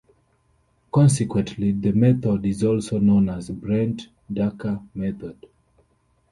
Consequently, the method is also known as the Brent-Dekker method.